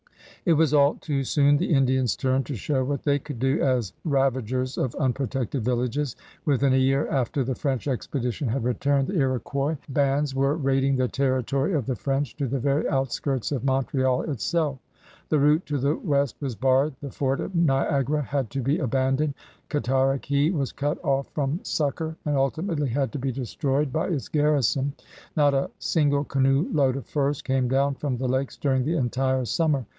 It was all too soon the Indians' turn to show what they could do as ravagers of unprotected villages; within a year after' the French expedition had returned, the Iroquois ^m THE mON GOVERNOR 97 bands were raidmg the territory of the French to the very outskirts of Montreal itself. The route to the west was barred; the fort at Niagara had to be abandoned; Cataraqui was cut off from succor and ultimately had to be destroyed by its garrison; not a single canoe load of furs came down from the lakes during the entire summer.